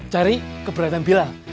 cari keberadaan bilal